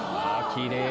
きれい！